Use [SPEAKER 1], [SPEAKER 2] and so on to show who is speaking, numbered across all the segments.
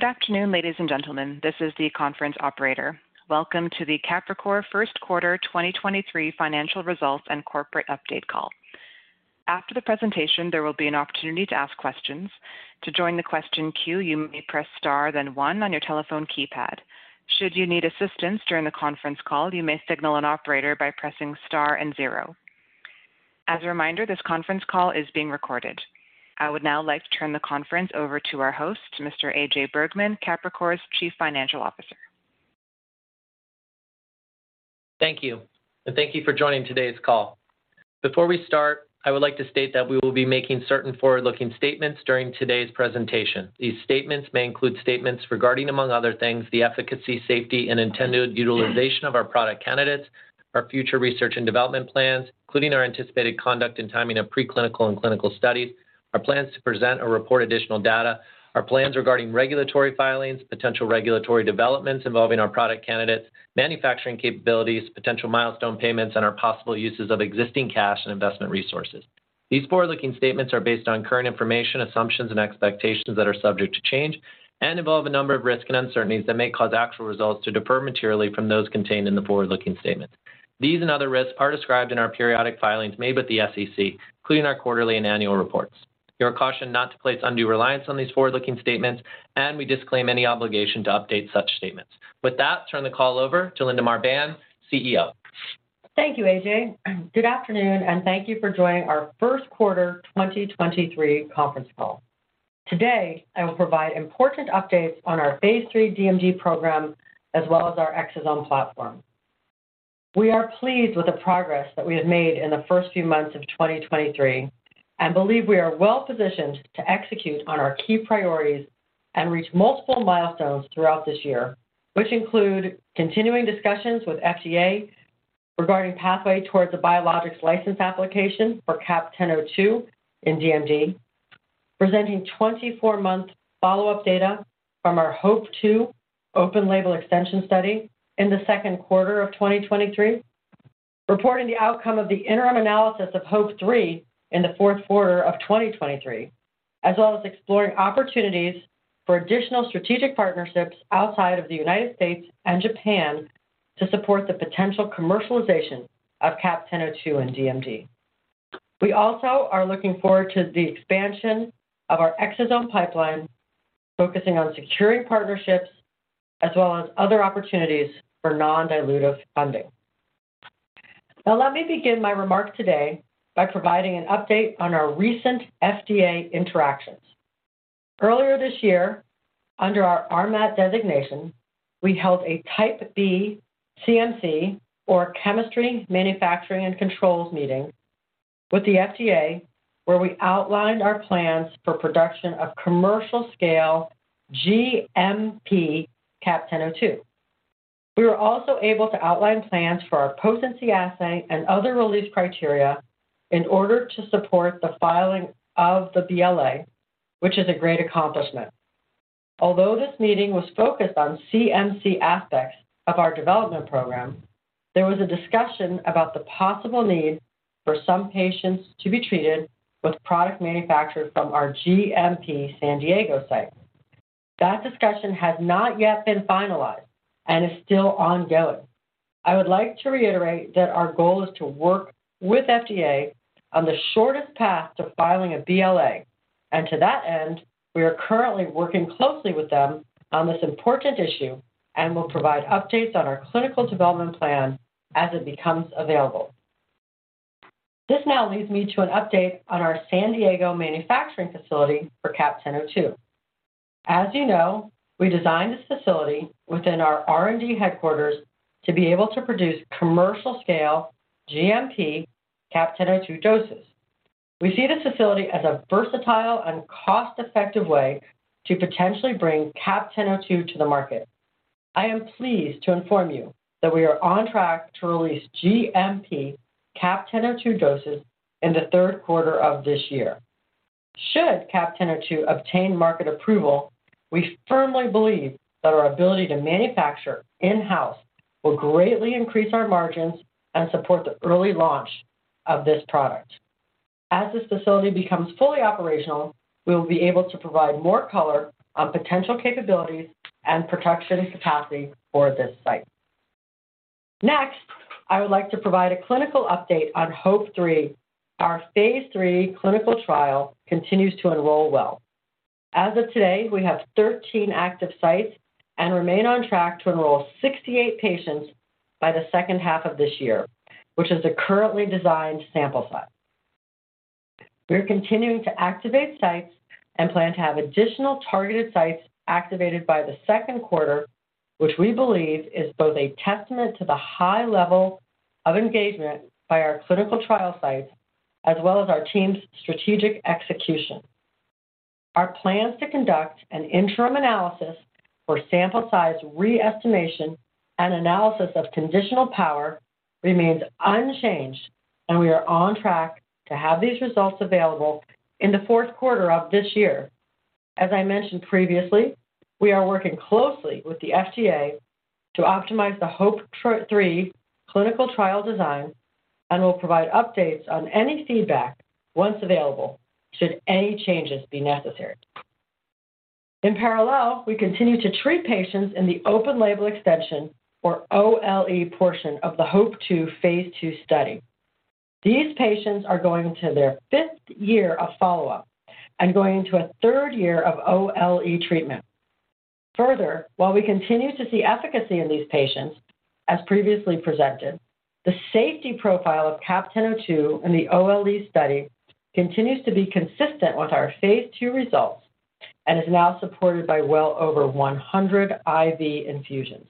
[SPEAKER 1] Good afternoon, ladies and gentlemen. This is the conference operator. Welcome to the Capricor Q1 2023 Financial Results and Corporate Update Call. After the presentation, there will be an opportunity to ask questions. To join the question queue, you may press star then one on your telephone keypad. Should you need assistance during the conference call, you may signal an operator by pressing star and zero. As a reminder, this conference call is being recorded. I would now like to turn the conference over to our host, Mr. AJ Bergmann, Capricor's Chief Financial Officer.
[SPEAKER 2] Thank you. Thank you for joining today's call. Before we start, I would like to state that we will be making certain forward-looking statements during today's presentation. These statements may include statements regarding, among other things, the efficacy, safety, and intended utilization of our product candidates, our future research and development plans, including our anticipated conduct and timing of pre-clinical and clinical studies, our plans to present or report additional data, our plans regarding regulatory filings, potential regulatory developments involving our product candidates, manufacturing capabilities, potential milestone payments, and our possible uses of existing cash and investment resources. These forward-looking statements are based on current information, assumptions, and expectations that are subject to change and involve a number of risks and uncertainties that may cause actual results to differ materially from those contained in the forward-looking statements. These and other risks are described in our periodic filings made with the SEC, including our quarterly and annual reports. You are cautioned not to place undue reliance on these forward-looking statements, and we disclaim any obligation to update such statements. With that, turn the call over to Linda Marbán, CEO.
[SPEAKER 3] Thank you, AJ. Good afternoon, and thank you for joining our Q1 2023 conference call. Today, I will provide important updates on our phase III DMD program as well as our exosome platform. We are pleased with the progress that we have made in the first few months of 2023 and believe we are well-positioned to execute on our key priorities and reach multiple milestones throughout this year, which include continuing discussions with FDA regarding pathway towards a Biologics License Application for CAP-1002 in DMD, presenting 24-month follow-up data from our HOPE-2 open-label extension study in the Q2 of 2023, reporting the outcome of the interim analysis of HOPE-3 in the Q4 of 2023, as well as exploring opportunities for additional strategic partnerships outside of the United States and Japan to support the potential commercialization of CAP-1002 in DMD. We also are looking forward to the expansion of our exosome pipeline, focusing on securing partnerships as well as other opportunities for non-dilutive funding. Let me begin my remarks today by providing an update on our recent FDA interactions. Earlier this year, under our RMAT designation, we held a Type B CMC, or chemistry, manufacturing, and controls meeting with the FDA, where we outlined our plans for production of commercial scale GMP CAP-1002. We were also able to outline plans for our potency assay and other release criteria in order to support the filing of the BLA, which is a great accomplishment. Although this meeting was focused on CMC aspects of our development program, there was a discussion about the possible need for some patients to be treated with product manufactured from our GMP San Diego site. That discussion has not yet been finalized and is still ongoing. I would like to reiterate that our goal is to work with FDA on the shortest path to filing a BLA. To that end, we are currently working closely with them on this important issue and will provide updates on our clinical development plan as it becomes available. This now leads me to an update on our San Diego manufacturing facility for CAP-1002. As you know, we designed this facility within our R&D headquarters to be able to produce commercial scale GMP CAP-1002 doses. We see this facility as a versatile and cost-effective way to potentially bring CAP-1002 to the market. I am pleased to inform you that we are on track to release GMP CAP-1002 doses in the Q3 of this year. Should CAP-1002 obtain market approval, we firmly believe that our ability to manufacture in-house will greatly increase our margins and support the early launch of this product. As this facility becomes fully operational, we will be able to provide more color on potential capabilities and production capacity for this site. Next, I would like to provide a clinical update on HOPE-3. Our phase III clinical trial continues to enroll well. As of today, we have 13 active sites and remain on track to enroll 68 patients by the second half of this year, which is the currently designed sample size. We're continuing to activate sites and plan to have additional targeted sites activated by the Q2 which we believe is both a testament to the high level of engagement by our clinical trial sites as well as our team's strategic execution. Our plans to conduct an interim analysis for sample size re-estimation and analysis of conditional power remains unchanged, and we are on track to have these results available in the Q4 of this year. As I mentioned previously, we are working closely with the FDA to optimize the HOPE-3 clinical trial design and will provide updates on any feedback once available should any changes be necessary. In parallel, we continue to treat patients in the open label extension or OLE portion of the HOPE-2 Phase II study. These patients are going to their fifth year of follow-up and going into a third year of OLE treatment. Further, while we continue to see efficacy in these patients as previously presented, the safety profile of CAP-1002 in the OLE study continues to be consistent with our phase II results and is now supported by well over 100 IV infusions.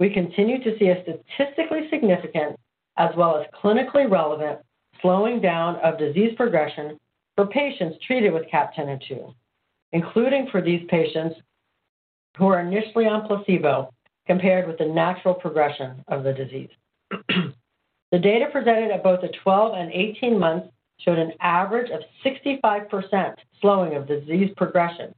[SPEAKER 3] We continue to see a statistically significant as well as clinically relevant slowing down of disease progression for patients treated with CAP-1002, including for these patients who are initially on placebo compared with the natural progression of the disease. The data presented at both the 12 and 18 months showed an average of 65% slowing of disease progression,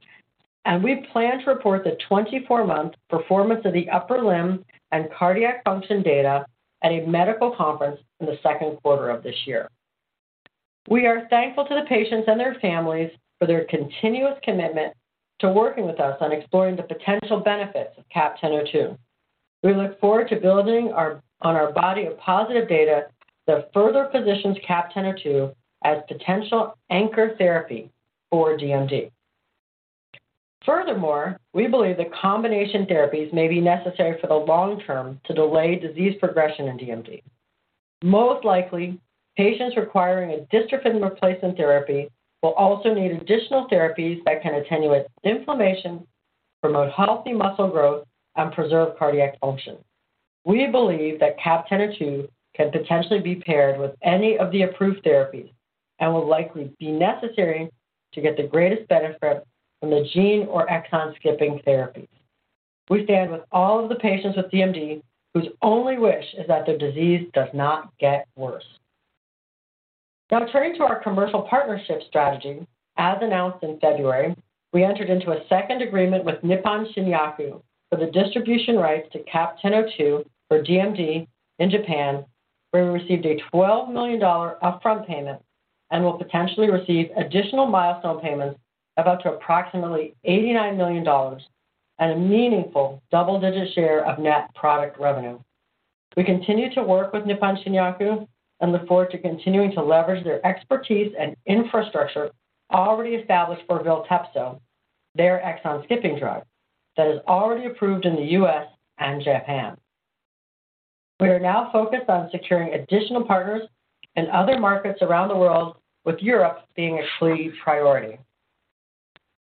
[SPEAKER 3] and we plan to report the 24 month Performance of the upper limb and cardiac function data at a medical conference in the Q2 of this year. We are thankful to the patients and their families for their continuous commitment to working with us on exploring the potential benefits of CAP-1002. We look forward to building on our body of positive data that further positions CAP-1002 as potential anchor therapy for DMD. We believe that combination therapies may be necessary for the long term to delay disease progression in DMD. Most likely, patients requiring a dystrophin replacement therapy will also need additional therapies that can attenuate inflammation, promote healthy muscle growth, and preserve cardiac function. We believe that CAP-1002 can potentially be paired with any of the approved therapies and will likely be necessary to get the greatest benefit from the gene or exon skipping therapies. We stand with all of the patients with DMD whose only wish is that their disease does not get worse. Turning to our commercial partnership strategy. As announced in February, we entered into a second agreement with Nippon Shinyaku for the distribution rights to CAP-1002 for DMD in Japan, where we received a $12 million upfront payment and will potentially receive additional milestone payments of up to approximately $89 million and a meaningful double-digit share of net product revenue. We continue to work with Nippon Shinyaku and look forward to continuing to leverage their expertise and infrastructure already established for VILTEPSO, their exon skipping drug that is already approved in the U.S. and Japan. We are now focused on securing additional partners in other markets around the world, with Europe being a key priority.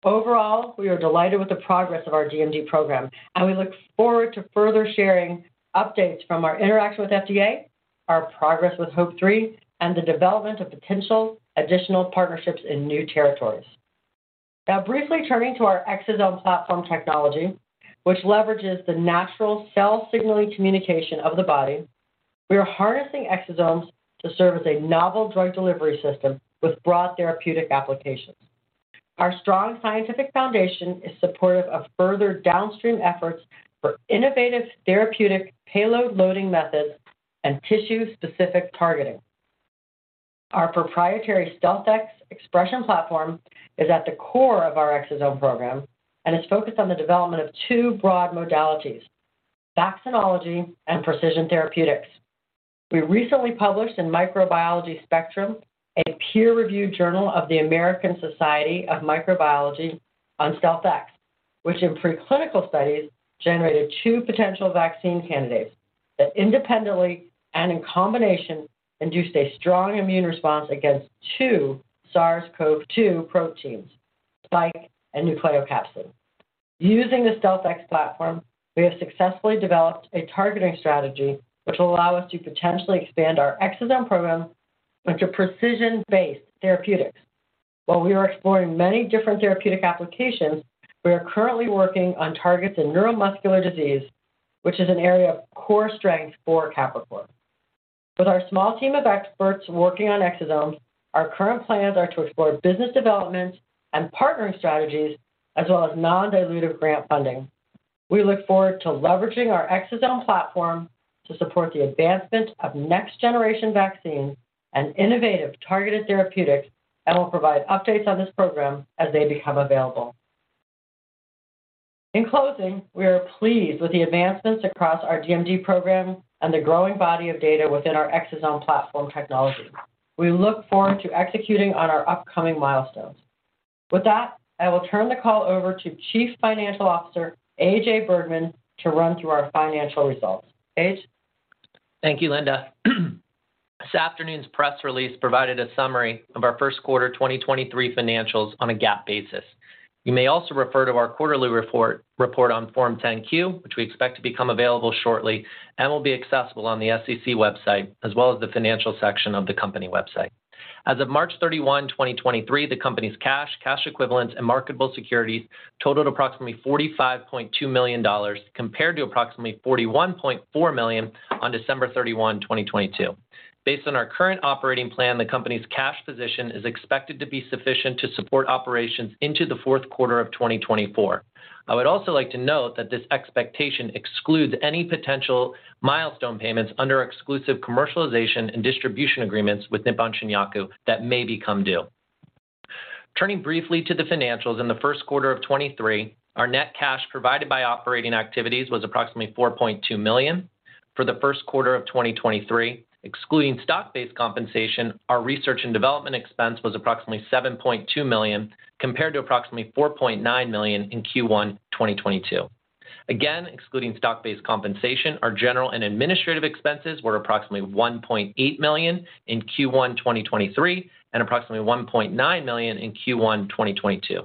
[SPEAKER 3] Overall, we are delighted with the progress of our DMD program, we look forward to further sharing updates from our interaction with FDA, our progress with HOPE-3, and the development of potential additional partnerships in new territories. Briefly turning to our exosome platform technology, which leverages the natural cell signaling communication of the body. We are harnessing exosomes to serve as a novel drug delivery system with broad therapeutic applications. Our strong scientific foundation is supportive of further downstream efforts for innovative therapeutic payload loading methods and tissue-specific targeting. Our proprietary StealthX expression platform is at the core of our exosome program and is focused on the development of two broad modalities: vaccinology and precision therapeutics. We recently published in Microbiology Spectrum, a peer-reviewed journal of the American Society for Microbiology, on StealthX, which in preclinical studies generated two potential vaccine candidates that independently and in combination induced a strong immune response against two SARS-CoV-2 proteins, spike and nucleocapsid. Using the StealthX platform, we have successfully developed a targeting strategy which will allow us to potentially expand our exosome program into precision-based therapeutics. While we are exploring many different therapeutic applications, we are currently working on targets in neuromuscular disease, which is an area of core strength for Capricor. With our small team of experts working on exosomes, our current plans are to explore business development and partnering strategies as well as non-dilutive grant funding. We look forward to leveraging our exosome platform to support the advancement of next-generation vaccines and innovative targeted therapeutics, and we'll provide updates on this program as they become available. In closing, we are pleased with the advancements across our DMD program and the growing body of data within our exosome platform technology. We look forward to executing on our upcoming milestones. With that, I will turn the call over to Chief Financial Officer AJ Bergmann to run through our financial results. AJ?
[SPEAKER 2] Thank you, Linda. This afternoon's press release provided a summary of our Q1 2023 financials on a GAAP basis. You may also refer to our quarterly report on Form 10-Q, which we expect to become available shortly and will be accessible on the SEC website as well as the financial section of the company website. As of March 31, 2023, the company's cash equivalents and marketable securities totaled approximately $45.2 million compared to approximately $41.4 million on December 31, 2022. Based on our current operating plan, the company's cash position is expected to be sufficient to support operations into the Q4 of 2024. I would also like to note that this expectation excludes any potential milestone payments under exclusive commercialization and distribution agreements with Nippon Shinyaku that may become due. Turning briefly to the financials in the Q1 of 2023, our net cash provided by operating activities was approximately $4.2 million. For the Q1 of 2023, excluding stock-based compensation, our research and development expense was approximately $7.2 million, compared to approximately $4.9 million in Q1, 2022. Again, excluding stock-based compensation, our general and administrative expenses were approximately $1.8 million in Q1, 2023, and approximately $1.9 million in Q1, 2022.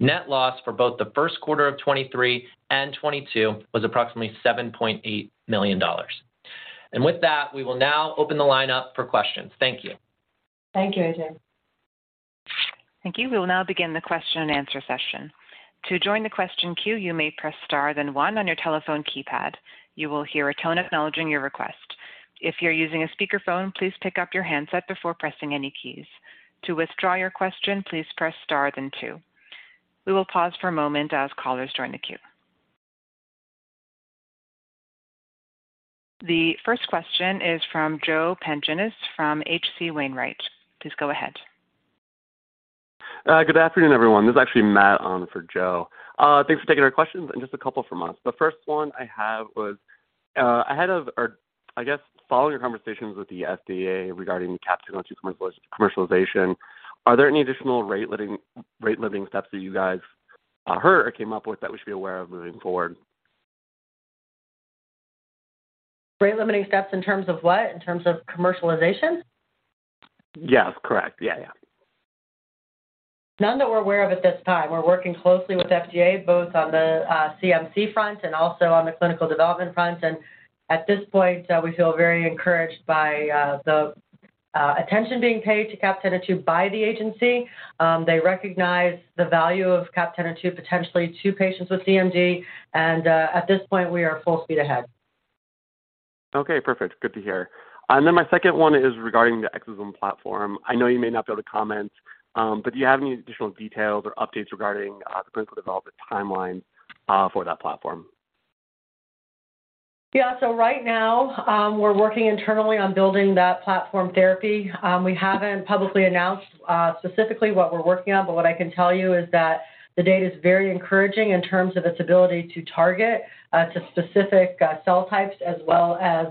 [SPEAKER 2] Net loss for both the Q1 of 2023 and 2022 was approximately $7.8 million. With that, we will now open the line up for questions. Thank you.
[SPEAKER 3] Thank you, AJ.
[SPEAKER 1] Thank you. We will now begin the question and answer session. To join the question queue, you may press Star then One on your telephone keypad. You will hear a tone acknowledging your request. If you're using a speakerphone, please pick up your handset before pressing any keys. To withdraw your question, please press Star then Two. We will pause for a moment as callers join the queue. The first question is from Joseph Pantginis from HC Wainwright. Please go ahead.
[SPEAKER 4] Good afternoon, everyone. This is actually Matt on for Joe. Thanks for taking our questions and just a couple from us. The first one I have was, ahead of or, I guess, following your conversations with the FDA regarding CAP-1002 commercialization, are there any additional rate-limiting steps that you guys heard or came up with that we should be aware of moving forward?
[SPEAKER 3] Rate-limiting steps in terms of what? In terms of commercialization?
[SPEAKER 4] Yes. Correct. Yeah, yeah.
[SPEAKER 3] None that we're aware of at this time. We're working closely with FDA, both on the CMC front and also on the clinical development front. At this point, we feel very encouraged by the attention being paid to CAP-1002 by the agency. They recognize the value of CAP-1002 potentially to patients with DMD, at this point we are full speed ahead.
[SPEAKER 4] Okay, perfect. Good to hear. My second one is regarding the exosome platform. I know you may not be able to comment, but do you have any additional details or updates regarding the clinical development timeline for that platform?
[SPEAKER 3] Right now, we're working internally on building that platform therapy. We haven't publicly announced specifically what we're working on, but what I can tell you is that the data is very encouraging in terms of its ability to target to specific cell types as well as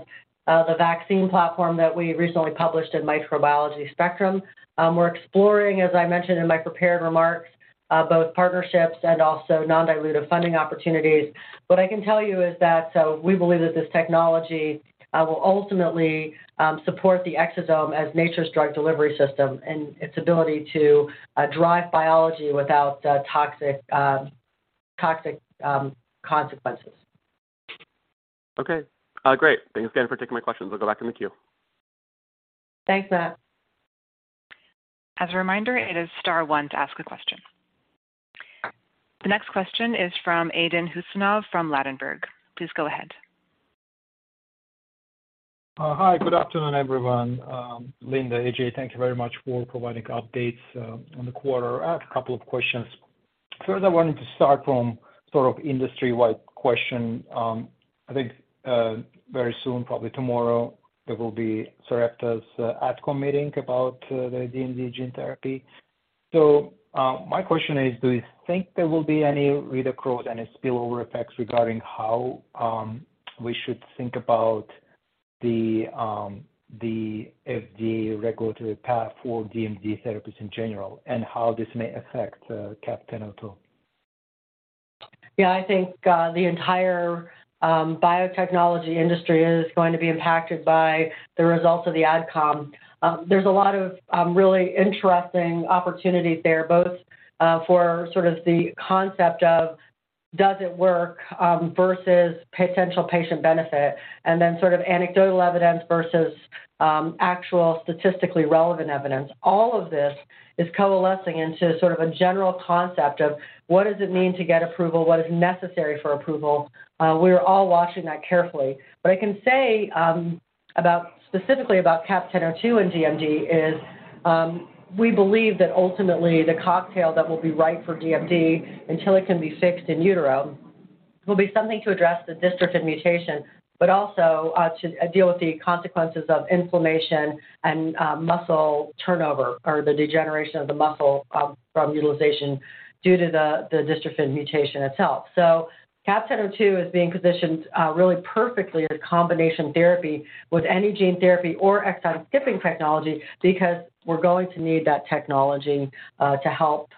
[SPEAKER 3] the vaccine platform that we recently published in Microbiology Spectrum. We're exploring, as I mentioned in my prepared remarks, both partnerships and also non-dilutive funding opportunities. What I can tell you is that we believe that this technology will ultimately support the exosome as nature's drug delivery system and its ability to drive biology without toxic consequences.
[SPEAKER 4] Okay. Great. Thanks again for taking my questions. We'll go back in the queue.
[SPEAKER 3] Thanks, Matt.
[SPEAKER 1] As a reminder, it is star one to ask a question. The next question is from Aydin Huseynov from Ladenburg. Please go ahead.
[SPEAKER 5] Hi. Good afternoon, everyone. Linda, AJ, thank you very much for providing updates on the quarter. I have a couple of questions. First, I wanted to start from sort of industry-wide question. I think, very soon, probably tomorrow, there will be Sarepta's AdComm meeting about the DMD gene therapy. My question is, do you think there will be any read-across, any spillover effects regarding how we should think about the FDA regulatory path for DMD therapies in general, and how this may affect CAP-1002?
[SPEAKER 3] Yeah, I think, the entire biotechnology industry is going to be impacted by the results of the AdComm. There's a lot of really interesting opportunities there, both, for sort of the concept of does it work, versus potential patient benefit, and then sort of anecdotal evidence versus actual statistically relevant evidence. All of this is coalescing into sort of a general concept of what does it mean to get approval? What is necessary for approval? We're all watching that carefully. What I can say, specifically about CAP-1002 and DMD is, we believe that ultimately the cocktail that will be right for DMD until it can be fixed in utero will be something to address the dystrophin mutation, but also, to deal with the consequences of inflammation and muscle turnover or the degeneration of the muscle, from utilization due to the dystrophin mutation itself. CAP-1002 is being positioned really perfectly as a combination therapy with any gene therapy or exon-skipping technology, because we're going to need that technology to help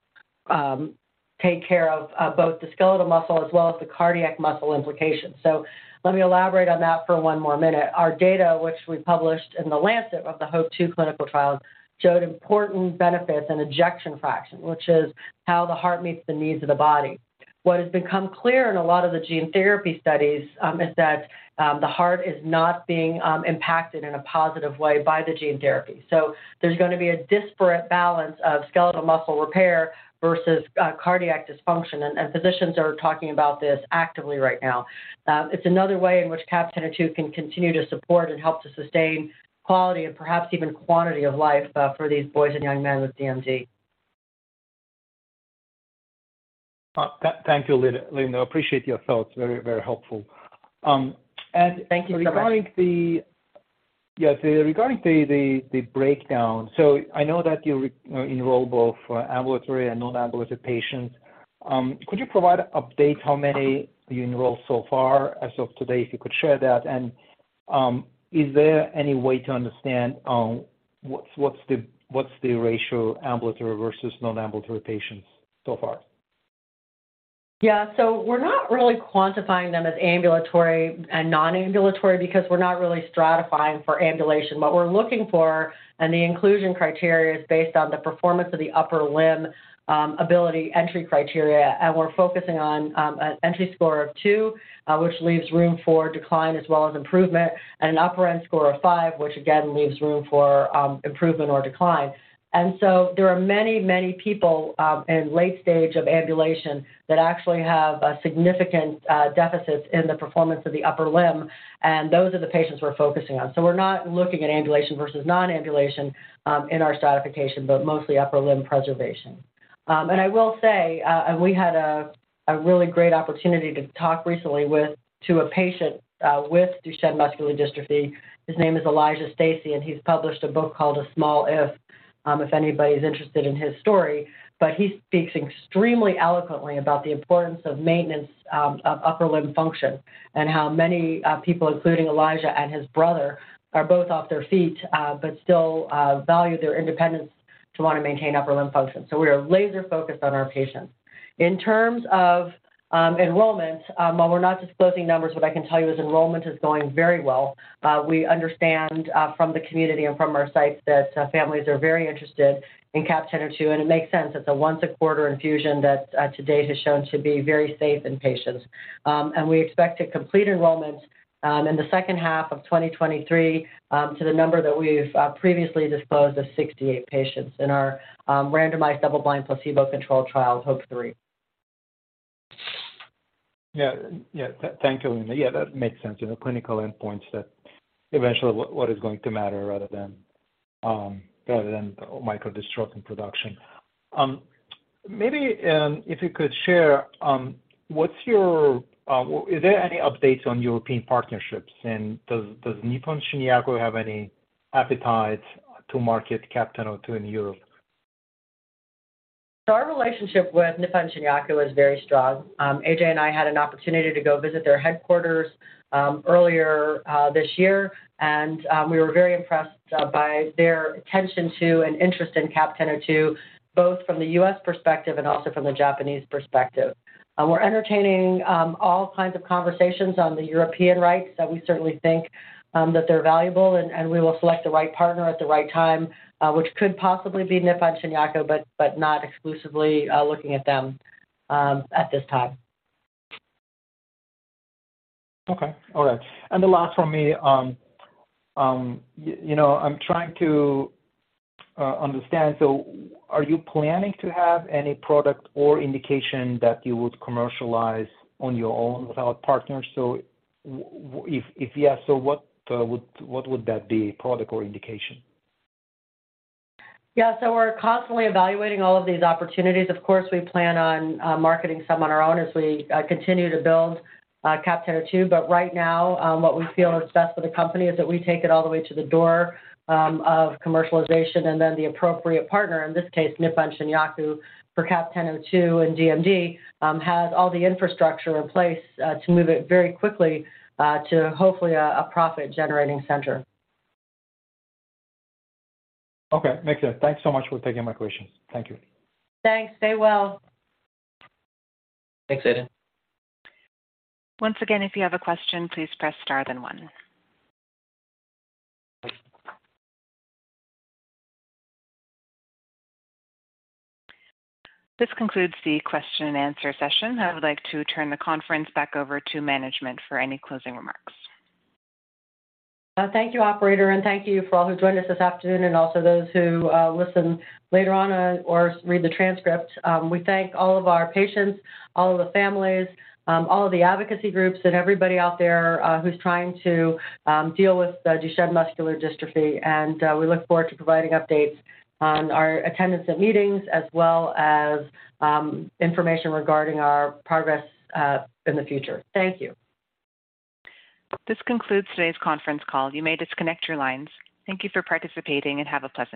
[SPEAKER 3] take care of both the skeletal muscle as well as the cardiac muscle implications. Let me elaborate on that for one more minute. Our data, which we published in The Lancet of the HOPE-2 clinical trial, showed important benefits in ejection fraction, which is how the heart meets the needs of the body. What has become clear in a lot of the gene therapy studies, is that the heart is not being impacted in a positive way by the gene therapy. There's gonna be a disparate balance of skeletal muscle repair versus cardiac dysfunction. Physicians are talking about this actively right now. It's another way in which CAP-1002 can continue to support and help to sustain quality and perhaps even quantity of life for these boys and young men with DMD.
[SPEAKER 5] Thank you, Linda. I appreciate your thoughts. Very, very helpful.
[SPEAKER 3] Thank you so much....
[SPEAKER 5] regarding the. Yeah, regarding the breakdown, so I know that you know, enroll both ambulatory and non-ambulatory patients. Could you provide update how many you enrolled so far as of today, if you could share that? Is there any way to understand what's the ratio ambulatory versus non-ambulatory patients so far?
[SPEAKER 3] We're not really quantifying them as ambulatory and non-ambulatory because we're not really stratifying for ambulation. What we're looking for, the inclusion criteria is based on the performance of the upper limb ability entry criteria. We're focusing on an entry score of two, which leaves room for decline as well as improvement, and an upper end score of five, which again leaves room for improvement or decline. There are many, many people in late stage of ambulation that actually have significant deficits in the performance of the upper limb, and those are the patients we're focusing on. We're not looking at ambulation versus non-ambulation in our stratification, but mostly upper limb preservation. I will say, and we had a really great opportunity to talk recently with to a patient with duchenne muscular dystrophy. His name is Elijah Stacy, and he's published a book called A Small If, if anybody's interested in his story. He speaks extremely eloquently about the importance of maintenance of upper limb function and how many people, including Elijah and his brother, are both off their feet, but still value their independence to wanna maintain upper limb function. We are laser focused on our patients. In terms of enrollment, while we're not disclosing numbers, what I can tell you is enrollment is going very well. We understand from the community and from our sites that families are very interested in CAP-1002, and it makes sense. It's a once a quarter infusion that, to date has shown to be very safe in patients. We expect to complete enrollment in the second half of 2023, to the number that we've previously disclosed of 68 patients in our randomized double-blind placebo-controlled trial, HOPE-3.
[SPEAKER 5] Yeah. Yeah. Thank you, Linda. Yeah, that makes sense. You know, clinical endpoints that eventually what is going to matter rather than, rather than microdystrophin production. Maybe, if you could share, what's your... Is there any updates on European partnerships, and does Nippon Shinyaku have any appetite to market CAP-1002 in Europe?
[SPEAKER 3] Our relationship with Nippon Shinyaku is very strong. AJ and I had an opportunity to go visit their headquarters earlier this year, we were very impressed by their attention to and interest in CAP-1002, both from the U.S. perspective and also from the Japanese perspective. We're entertaining all kinds of conversations on the European rights that we certainly think that they're valuable and we will select the right partner at the right time, which could possibly be Nippon Shinyaku, but not exclusively looking at them at this time.
[SPEAKER 5] Okay. All right. The last from me, you know, I'm trying to understand. Are you planning to have any product or indication that you would commercialize on your own without partners? If yes, so what would that be, product or indication?
[SPEAKER 3] Yeah. We're constantly evaluating all of these opportunities. Of course, we plan on marketing some on our own as we continue to build CAP-1002. Right now, what we feel is best for the company is that we take it all the way to the door of commercialization, and then the appropriate partner, in this case, Nippon Shinyaku for CAP-1002 and DMD, has all the infrastructure in place to move it very quickly to hopefully a profit-generating center.
[SPEAKER 5] Okay. Makes sense. Thanks so much for taking my questions. Thank you.
[SPEAKER 3] Thanks. Stay well.
[SPEAKER 2] Thanks, Aydin.
[SPEAKER 1] Once again, if you have a question, please press star then one. This concludes the question and answer session. I would like to turn the conference back over to management for any closing remarks.
[SPEAKER 3] Thank you, operator, and thank you for all who joined us this afternoon and also those who listen later on or read the transcript. We thank all of our patients, all of the families, all of the advocacy groups and everybody out there who's trying to deal with the duchenne muscular dystrophy. We look forward to providing updates on our attendance at meetings as well as information regarding our progress in the future. Thank you.
[SPEAKER 1] This concludes today's conference call. You may disconnect your lines. Thank you for participating, and have a pleasant day.